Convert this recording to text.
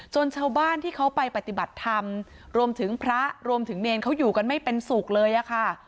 ชาวบ้านที่เขาไปปฏิบัติธรรมรวมถึงพระรวมถึงเนรเขาอยู่กันไม่เป็นสุขเลยอะค่ะ